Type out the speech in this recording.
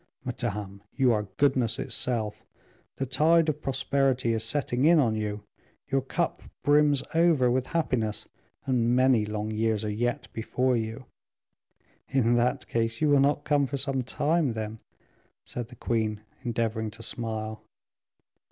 "Madame, you are goodness itself; the tide of prosperity is setting in on you; your cup brims over with happiness, and many long years are yet before you." "In that case you will not come for some time, then," said the queen, endeavoring to smile.